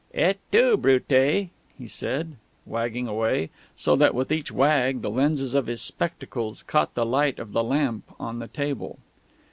"Et tu, Brute!" he said, wagging away, so that with each wag the lenses of his spectacles caught the light of the lamp on the table.